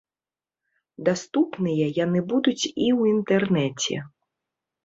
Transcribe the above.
Даступныя яны будуць і ў інтэрнэце.